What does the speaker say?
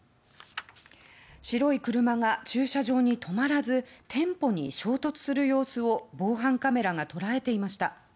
白い車が駐車場に止まらず店舗に衝突する様子を防犯カメラが捉えていました。